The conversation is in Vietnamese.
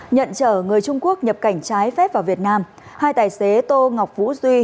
nhận chở người trung quốc nhập cảnh trái phép vào việt nam hai tài xế tô ngọc vũ duy